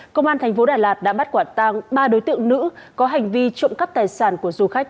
công an thành phố đà lạt đã bắt quả tang ba đối tượng nữ có hành vi trộm cắp tài sản của du khách